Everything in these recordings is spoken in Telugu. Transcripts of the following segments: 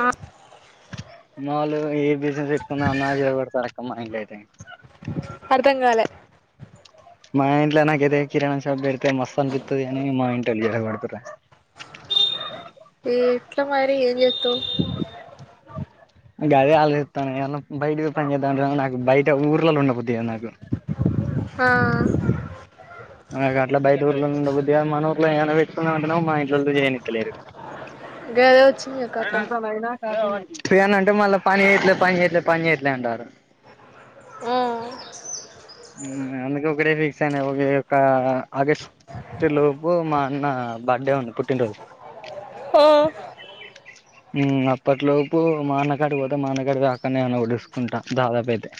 ఆ మా వోళ్ళు ఏ బిజినెస్ ఎట్టుకుందమన్నా చెడకొడుతారక్క మా ఇంట్లో అయితే అర్ధం కాలే మా ఇంట్ల నాకైతే కిరణంషప్ బెడితే మస్త్ అనిపిత్తది గని మా ఇంట్లో ల్ చేడగొడుతుర్రు ఏ ఎట్లా మరి ఏం చేత్తావ్ గదే ఆలోసిత్తాన నేను బయట పోయి పని చేేద్దాం మంటేనో నాకు బయట ఊర్లలో ఉండబుద్ది కాదు నాకు ఆ నాకట్లా బయటూర్ల ఉండబుద్ధిగాద్ మనూర్ల ఏమైన వెట్టుకుందామంటేనేమే మా ఇంట్లోళ్ళు చేయనిత్తలేరు గదే వచ్చిందిగా కతం ఇంకోనైనా ఏదన్న అంటే మళ్ళా పని చేయట్లే పని చేయట్లే పని చేయట్లే అంటాళ్ళు మ్ మ్ అందుకే ఒకటే ఫిక్స్ అయినా ఈ ఒక ఆగస్ట్ స్ట్ లోపు మా అన్న బర్త్డే ఉంది పుట్టినరోజు ఒ మ్ అప్పట్లోపు మా అన్న కడికి పోత మాఆన్నకాడికి పోయి అక్కన్నే ఏదన్న ఒకటి చూసుకుంటా దాదాపైతే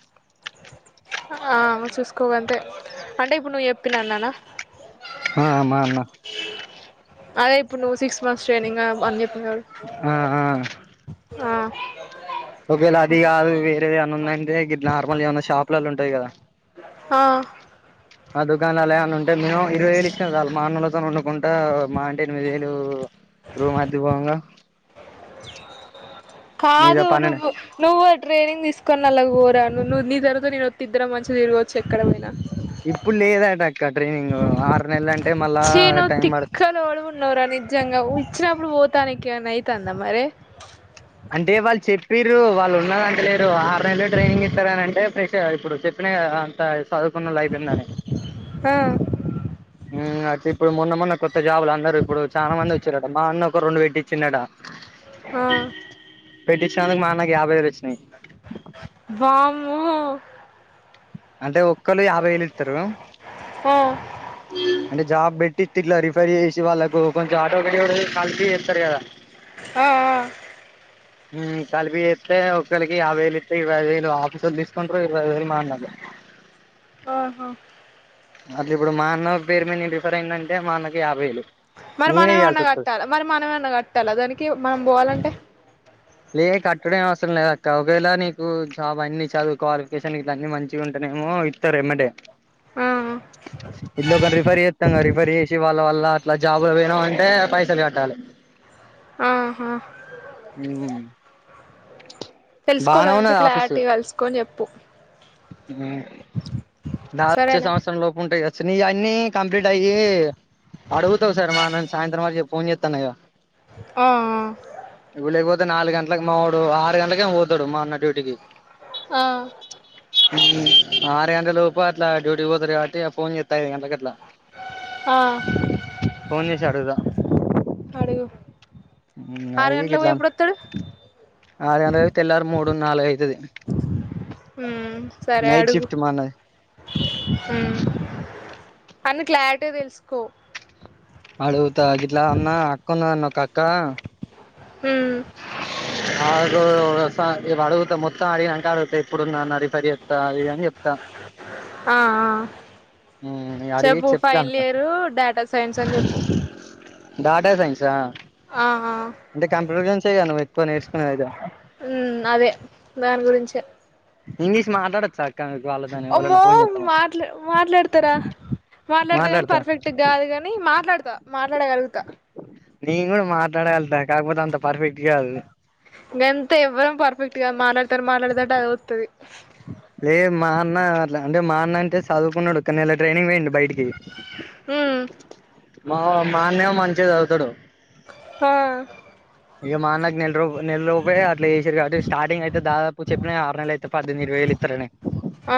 ఆ అవును చూసుకో గంతే అంటే ఇప్పుడు నువ్ ఎప్పినన్నానా ఆ ఆ మా అన్న అదే ఇప్పుడు నువ్ సిక్స్ మంత్స్ ట్రైనింగా అన్ జెప్పినవ్ ఆ ఆ ఆ ఒకవేళ అది కాదు వేరే ఏవైనా ఉందంటే నార్మల్ యి ఏమైన షాప్లల్లో ఉంటాయి కదా హా ఆ దుకాణాలలో ఏవన్న ఉంటే మినిమం ఇరవై వేలు ఇచ్చినా చాలు మా అన్నలతో వండుకుంటా మహా అంటే ఎనిమిది వేలు రూమ్ అద్దె పోంగా మీద కాదు పన్నెండు నువ్వు నువ్వు ఆ ట్రైనింగ్ తీసుకొని నల్లకు పోరా నువ్వు నీ తరువాత నేను వత్తే ఇద్దరం మంచిగా తిరగవచ్చు ఎక్కడపోయినా ఇప్పుడు లేదు అట అక్క ట్రైనింగు ఆరు నెలం ఛీ నువ్వు తిక్కలోడువున్నవురా నిజంగా వచ్చినప్పుడు పోతానికి ఎమన్నా అయితాందా మరి అంటే వాళ్ళు చెప్పి ర్రు వాళ్ళు ఉన్నదంటలేరు ఆర్ నెల్లు ట్రైనింగ్ ఇత్తరనంటే ఫ్రెష్ అ ఇప్పుడు చెప్పిన గదా చ చదువుకున్నోళ్లై అయిపోయిందని హా ఉమ్మ్ ఐతే ఇప్పుడు మొన్న మొన్న కొత్త జాబులందరు ఇప్పుడు చానా మందొచ్చిరట మా అన్న ఒక రెండు వెట్టిచ్చిండట ఆ పెట్టించినందుకు మా అన్నకి యాభై వేలు వచ్చినాయి వామ్మో అంటే ఒక్కళ్ళు యాభై ఏలు ఇత్తరు ఆ అంటే జాబ్ పెట్టి తిల్లా రిఫర్ చేసి వాళ్ళకు కొంచెం ఆటోమేటిగ్గా కలిసి చేత్తరు కదా ఆ అ ఉమ్ కలిపి జేత్తే ఒక్కళికి యాబై వేలిత్తే ఇరవైఐదు వేలు ఆఫీసోళ్ళు దీసుకుంటరు ఇరవై వేలు మా అన్నది ఆహా అట్ల ఇప్పుడు మా అన్నోళ్ళ పేరు మీద నేను రిఫర్ అయిదంటే మా అన్నకి యాభై ఏలు మరి మనం ఏమన్న కట్టాల మరి మనం ఏమన్న కట్టాల దానికి మనం పోవాలంటే లే కట్టుడే అవసరం లేదు అక్క ఒకవేళ నీకు జాబ్ అన్ని చదువుకోవాలి క్వాలిఫికేషన్ ఇదన్నీ మంచిగ ఉంటానేమో త్తరు ఎమ్మటే అ ఇట్లు ఒకర్ని రిఫర్ చేత్తామ్ గా రిఫర్ చేసి వాళ్ళ వల్ల అట్లా జాబు పోయినామంటే పైసలు కట్టాలి ఆహా హ్మ్ తెలుసుకో దాని గురించి క్లారిటీ అలుసుకోని చెప్పు హ్మ్ దాచ్చే సరేనా సంవత్సరం లోపు ఉంటాయిగా సో నీయి అన్నీ కంప్లీట్ అయ్యి అడుగుతా ఒకసారి మా అన్నను సాయంత్రం [unintelligible] ఫోన్ చేత్తాను ఇగ ఆ హా ఇప్పుడు లేకపోతే నాలుగంట్లకు మావోడు ఆరు గంటలకేమో వోతడు మా అన్న డ్యూటీకి హా హ్మ్ ఆరు గంటలలోపు అట్లా డ్యూటీకీ పోతరు కాబట్టి ఫోన్ చేత్తా ఐదు గంట్లకి అట్లా బ్లాంక్ ఆ ఫోన్ జేసి అడుగుదాం అడుగు ఆరు గంట్లకి పోయి ఎప్పుడొత్తడు ఆరుగంట్లది తెల్లారు మూడు నాలుగయితది హ్మ్ సరే అడుగు షిఫ్ట్ మా అన్నది హ్మ్ అన్ని క్లారిటీగా తెలుసుకో అడుగుత గిట్లా అన్నా అక్కున్నదన్న ఒక అక్కా ఉమ్ ఆగు ఒక సా ఇవడుగుత మొత్తం అడిగినంక అడుగుత ఇప్పుడుందన్న రిఫర్ జెత్త అది ఇది అని జెప్తా ఆ ఆ ఉమ్ అడిగి చెప్పు చెప్తా ఫైనల్ అనుకో ఇయరు డేటా సైన్స్ అని జెప్పు డాటా సైన్సా ఆ ఆ అంటే కంప్యూటర్ సైన్సేగద నువు ఎక్కువ నేర్సుకున్నదైతే ఉమ్ అదే దాని గురించే ఇంగ్లీష్ మాట్లాడొచ్చాక్ క్క మీకు వాళ్ళతోని ఎవలన్నా అమ్మో ఫోన్ చేత్తమా మాట్ల మాట్లాడతారా మాట్లాడతా గని పర్ఫెక్ట్ గాదు గని మాట్లాడతా మాట్లాడగలుగుత నేను గూడ మాట్లాడగళ్తా కాకపోతే అంత పర్ఫెక్ట్ కాదు గంతే ఎవ్వరం పర్ఫెక్ట్ గాద్ మాట్లాడ్తంటే మాట్లాడతాంటే అదే వొత్తది లేదు మా అన్న అట్ల అంటే మా అన్న అంటే సదువుకున్నడు ఒక నెల ట్రైనింగ్ పోయిండు బయటికి ఉమ్ మో మా మాన్నెమో మంచిగ చదువుతడు హా ఇగ మా అన్నకి నెల రోప్ నెల లోపే అట్ల చేసిర్రు కాబట్టి స్టార్టింగ్ అయితే దాదాప్ ఇప్పు చెప్పినగా ఆర్ నెలయితే పద్దేమ్ది ఇరవై వేలిత్తరని ఆ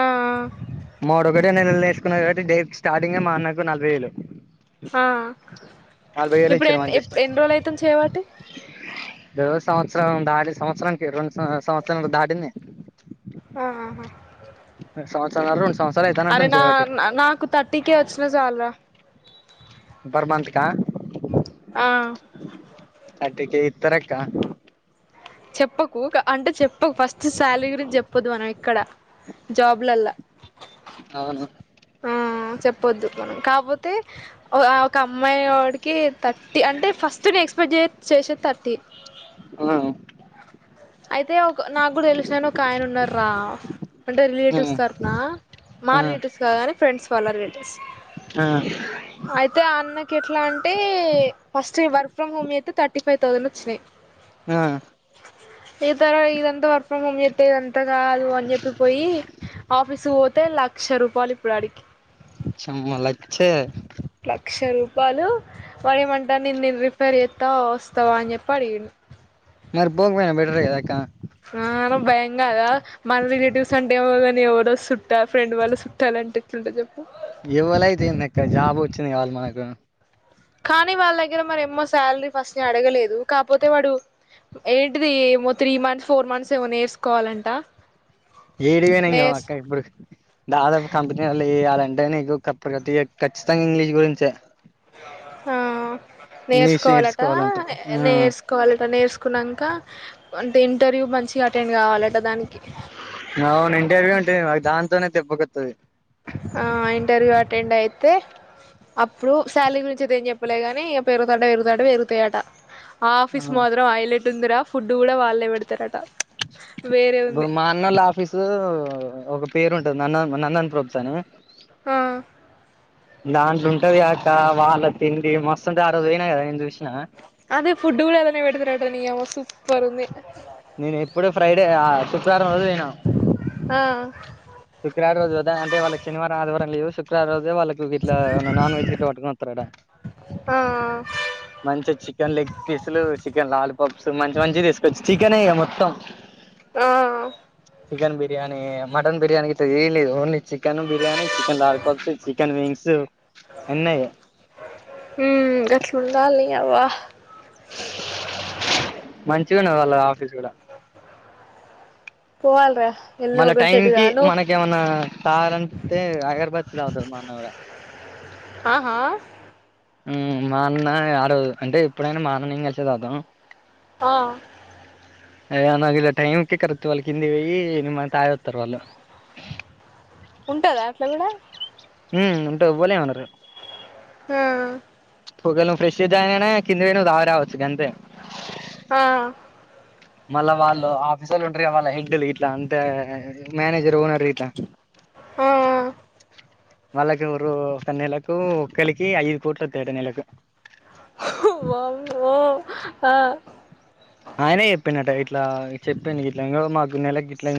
మావోడ్ ఒక్కటే నెలనీర్సుకున్నడు కబట్టి డేట్ స్టార్టింగే మా నాన్నకు నలభైవేలు హా ఇప్పుడు ఎన్ ఎప్ ఎన్ని రోజులు అయితుంది చేయబట్టి ఓ సంవత్సరం దాటి సంవత్సరనికి రెండు సంవత్స్ ఆ సంవత్సరం నర దాటింది ఆ హా సంవత్సరం నర రొండు సంవత్స్ అరే నా న నాకు థర్టీ కేే ఒచ్చినా సాల్రా పర్ మంత్ కా ఆ థర్టీ కె ఇత్తరక్క చెప్పకు క అంటే చెప్పకు ఫస్ట్ శాలరీ గురించి చెప్పోద్దు మనం ఎక్కడ జాబ్లల్ల అవును ఆ ఆ చెప్పొద్దు మనం కాపోతే ఒ ఆ ఒక అమ్మాయి వోడి కి థర్టీ అంటే ఫస్ట్ నేను ఎక్స్పెక్ట్ జే చేసేది థర్టీ ఆ అయితే ఒక నాగ్గుడ తెలిసినాయన ఒకాయన ఉన్నడ్ రా అంటే రిలేటివ్స్ తరుపున మా ఆ రిలేటివ్స్ గాని ఫ్రెండ్స్ వాళ్ళ రిలేటివ్స్ ఆ అయితే ఆ అన్నకెట్లా అంటే ఫస్ట్ ఈ వర్క్ ఫ్రమ్ హోమ్ జేత్తె థర్టీ ఫైవ్ థౌసండ్ ఒచ్చినయ్ ఆ ఇ తద ఇదంత వర్క్ ఫ్రమ్ హోమ్ జేత్తే ఇదంతా గాదు అని జెప్పి పోయి ఆఫీసుకు పోతే లక్ష రూపాలిప్పుడు ఆడికి చంమ్మ లక్ చే లక్ష రూపాలు వాడేమంటామ్డు నిన్ నెన్ రిఫర్ జెత్తా వస్తావ అని చెప్పి అడిగిన్ మరి పోకపోయినవ్ బెటరే కదా అక్క ఆ నక్ భయం గాదా మన రిలేటివ్స్ అంటే ఏమో గనీ ఎవడో సుట్టాల్ ఫ్రెండ్ వాళ్ళు సుట్టాలంటే ఎట్లుంటది జెప్పు ఎవ్వలైతేందక్క జాబ్ వచ్చింది గావాలి మనకు కానీ వాళ్ళ దగ్గర మరే ఎమ్మో శాలరీ ఫస్ట్ అడగలేదు కాపోతే వాడు ఏంటిది ఏమో త్రీ మంత్స్ ఫోర్ మంత్స్ ఏమో నేర్చుకోవాలంట ఏడికి పోయిన ఇయ్యావా నేర్స్ అక్క ఇప్పుడు దాదాపు కంపెనీ వాళ్ళ చేయాలంటే నీకు కాప్ ఖచ్చితంగా ఇంగ్లీష్ గురించే ఆ ఇంగ్లీష్ నెర్సుకోవాలట నేర్చుకోవాలంటారు నెర్సు కోవాలట నేర్సుకున్నంక అంటే ఇంటర్వ్యూ మంచిగా అటెండ్ కావాలట దానికి అవును ఇంటర్వ్యూ ఉంటది మాకు దాంతోనే దెప్పగొత్తది ఆ ఇంటర్వ్యూ అటెండ్ అయితే అప్పుడు శాలరీ గురించి దేం చెప్ చెప్పలేగానీ ఇగా పెరుగుతాంటే పెరుగుతాంటే పెరుగుతయట ఆ ఆఫీస్ మాత్రం ఐలెట్ ఉందిరా ఫుడ్ కూడా వాళ్ళే పెడతారట వేరే ఇప్పుడు ఉంది మా నోళ్ళ ఆఫీసు ఒక పేరు ఉంటది న నన్ నన్ నందన్ ప్రూఫ్స్ అని ఆ దాంట్లో ఉంటది కాక వాళ్ళ తిండి మస్తుంటది ఆ రోజు పోయినా కదా నేను చూసినా అదే ఫుడ్ కూడా అల్లనే పెడతారట నీ అవ్వ సూపర్ ఉంది నేను ఇప్పుడే ఫ్రైడే ఆ శుక్రవారం రోజు పోయినా ఆ శుక్రవారం రోజు పోదమంటే వాళ్ళకు శనివారం ఆదివారం లీవ్స్ శుక్రవారం రోజుమో వాళ్లకు గిట్ల నాన్ వెజ్ గిట్ల పట్టుకోని వత్తారట ఆ మంచి చికెన్ లెగ్ పీసులు చికెన్ లాలీపాప్స్ మంచి మంచి తీసుకోచ్చి చికెనే మొత్తం ఆ చికెన్ బిర్యానీ మటన్ బిర్యానీ గిట్ల ఏంలేదు only chicken biryani chicken lollipops chicken wings అన్ని అయ్యే హు గట్లు ఉండాలి అవ్వ మంచిగున్నది వాళ్ళ ఆఫీస్ కూడా పోవాల్రా ఎల్లో ఒకటి సెట్ కా ను ఏమన్నా తాగాలనిపిత్తే అగర్బత్తి తాగుతాడు మా అన్న కూడా ఆహా హు మా అన్న ఆ రోజు అంటే ఎప్పుడైనా మా అన్న నేను కలిసే తాగుతాం ఆ అయ్య నాకి ఇలా టైమ్ కి కరెక్ట్ ట్వెల్వ్ కి కిందికి పోయి నిమ్మా తాగి వత్తరు వాళ్ళు ఉంటదా అట్ల కూడా ఉ ఉంట ఏవ్వలు ఏమనరు హ ఒకవేళ ఫ్రేష్ జాయిన్ అయిన కిందికి పోయి నువ్వు తాగి రావచ్చు గంతే ఆ మళ్ళా వాళ్ళు ఆఫీసర్లు ఉంటర్ గా వాళ్ళ ఇంటిగెల్లి ఉంటారుగా గిట్లా అంటే మేనేజర్ ఓనర్ ఇట్లా ఆ ఆ వాళ్ళకు రో ఒక నెలకు ఒక్కలికి ఐదు పుట్లూ వత్తాయట ఒక్క నెలకు ఓహ్ వామ్మో ఆ ఆయనే చెప్పిండాట ఇట్లా చెప్పింది ఇట్ల ఇంగో మాకు నెలకి గిట్ల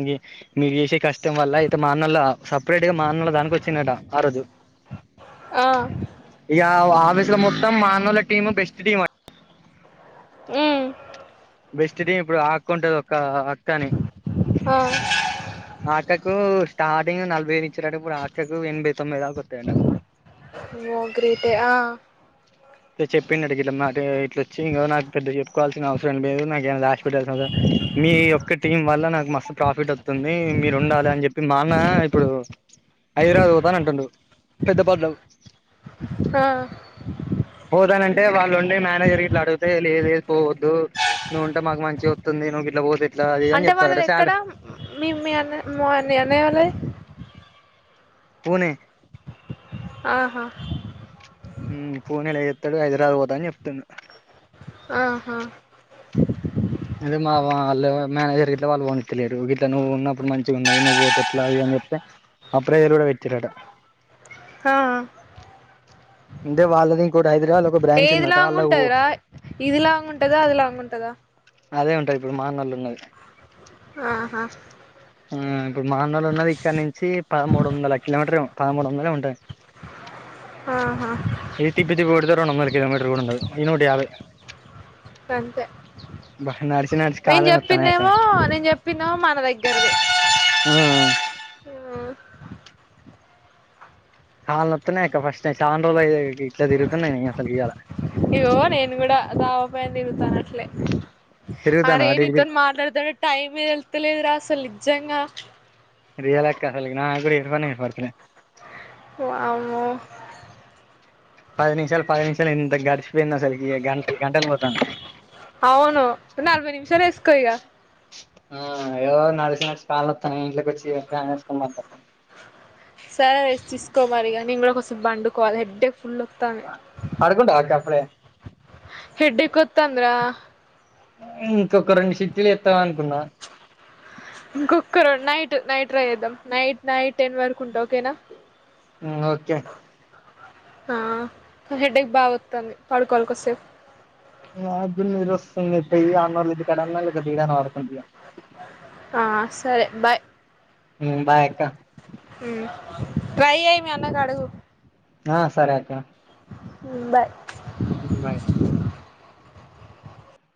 మీరు చేసే కష్టం వల్ల అయితే మా అన్నోళ్ల సపరేట్గా మా అన్నల దానికి వచ్చిండాట ఆ రోజు ఆ ఇక ఆఫీసు లో మొత్తం మా అన్నోళ్ళ టీం బెస్ట్ టీం. ఊ. బెస్ట్ డే ఇప్పుడు ఆక్ కుంటది ఒక అక్క అని. ఆ అక్కకు స్టార్టింగ్ నలభై దు ఇచ్చినట ఇప్పుడు ఆటకు ఎనభై తొంభై దాకా వత్తయట. మో గ్రేటే ఆ. చెప్పిడు గిట్ల మాటే గిట్లొచ్చి ఇగో నాక్ పెద్ద చెప్పుకోవాల్సిన అవసరం అనిపియ్యదు నాకేమైనా రాస్. మీ యొక్క టీం వల్ల నాకు మస్తు ప్రాఫిట్ వస్. కొని మీరు ఉండాలి అని చెప్పి మాన్న ఇప్పుడు. హైదరాబాద్ పోవుతా అంటుండు పెద్ద పద్లవ్. ఆ. పోదానంటే వాళ్ళు ఉండే మేనేజర్ గిట్ల అడిగితే లేదులేదు పోవద్దు. నువ్వు ఉంటే మాక్ మంచి వస్తుంది నువ్వు గిట్ల పోతే ఎట్లా అది అని అంటే చెప్తార్ రట వాళ్ళది శ్యాల్. ఎక్కడ మీ మీ అన్నా మా అన్నయ్య వాళ్లది. పోనె. ఆహా. పూణేలో చెస్తడు హైదరాబాద్ పోతాడు అని చెప్తున్నా. ఆహా. అదే మా వాళ్ళు మేనేజర్ గిట్ల వాళ్ళు పోనిస్తలేరు గ నువ్వున్నప్పుడు మంచిగా ఉన్నది నువ్వు పోతే ఎట్లా అది అని చెప్తే. ఆ ప్రేయర్ [unintelligible] వచ్చటిటా. హ. అంటే వాళ్ళని కూడా హైదరాలు. ఏది లాంగ్ ఉంటదరా ఇది లాంగ్ ఉంటదా అది లాంగ్ ఉంటదా. నాదే ఉంటది ఇప్పుడు మా అన్నల్లు ఉన్నరుగా. ఆహా. హు ఇప్పుడు మా అన్నోళ్ళు ఉన్నారు ఇక్కడ నుంచి పదమూడు వందల కిలోమీటర్ ఏమో. పదముడు వందనే ఉంటాయి. ఆహా. ఈ తిప్పి తిప్పి కొడితే రెండు వందలు కిలోమీటర్లు కూడా ఉండదు ఈ నూటయాభై. అంతే నడిచి నడిచి నేను కాళ్ళే నొత్తన్నాయి అక్క చెప్పిందేమో నేను చెప్పందమో మన దగ్గరదే. ఆ. ఆ. కాళ్లు నొస్తున్నాయి అక్క చాలా రోజులైతాంది ఫస్ట్ అ ఇట్లా తిగుతున్నాయి అసలు ఇయాల. ఇగో నేను కూడా గావ్ పోయిన తిరుగుత అట్లే తిరుగుతాను అరే అటు ఇటు నీతోన్ తిరుగు మాట్లాడితే. టైం ఏ తెలుస్తలేదుర అస్సలు నిజంగా. రియల్ అక్క అసలు నాకు కూడా వినపన్నే వినపడతలే. వామ్మో. పది నిమిషాలు పది నిమిషాలు ఎంత గడిచి పోయిందా అసలకి గన్. అవును నలభై నిమిషాలు ఏస్కో ఈగ. ఎలాగో నడిచి నడిచి కాల నొస్తోంది ఇంట్లోకి వచ్చి ఫ్యాన్ వేసుకుని పడ్డ. సరే రెస్టు తీసుకో మరి ఇక నేను కొంచెంసేపు నేను కూడా పండుకోవాలి హెడేక్ ఫుల్ వస్తాంది. పడుకుంటావా అక్క అప్పుడే. హెడేక్ కొత్తంధ్ర. ఇంకొక రెండు చిట్టీలుఏద్దాం అనుకున్నా. ఇంకొక్కరు నైట్ నైట్ ట్రై చేద్దాం నైట్ నైట్ టెన్ వరకు ఉంటా ఓకేనా. హు ఓకే. ఆ హెడేక్ బాగా వత్తంది పడుకోవాల్ కాసేప్ నా గూడా నిద్ర వస్తాంది పోయి అన్నోళ్ళ ఇంటికాడన్న లేకపోతే ఇడైనా పడుకుంట ఇగ ఆ సరే బాయ్ మ్ బాయ్ అక్క ఉమ్ ట్రై చెయ్ మీ అన్నకు అడుగు ఆ సరే అక్కా ఉమ్ బాయ్ ఉమ్ బాయ్